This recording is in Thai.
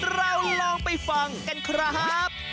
เราลองไปฟังกันครับ